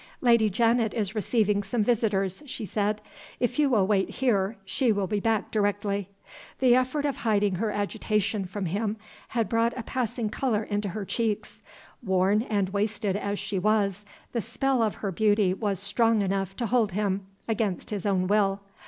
"Lady Janet is receiving some visitors," she said. "If you will wait here, she will be back directly." The effort of hiding her agitation from him had brought a passing color into her cheeks. Worn and wasted as she was, the spell of her beauty was strong enough to hold him against his own will.